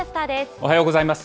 おはようございます。